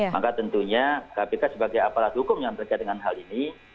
maka tentunya kpk sebagai aparat hukum yang terkait dengan hal ini